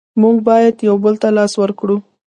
موږ باید یو بل ته لاس ورکړو.